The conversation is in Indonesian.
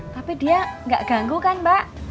tapi dia nggak ganggu kan mbak